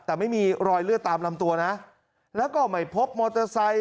แต่ไม่มีรอยเลือดตามลำตัวนะแล้วก็ไม่พบมอเตอร์ไซค